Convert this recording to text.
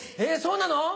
えそうなの？